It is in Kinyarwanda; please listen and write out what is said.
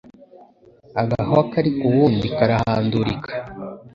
Agahwa kari k'uwundi karahandurika.